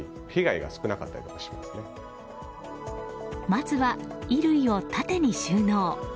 まずは、衣類を縦に収納。